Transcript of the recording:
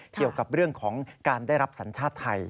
เกี่ยวกับเรื่องของการได้รับสัญชาติไทย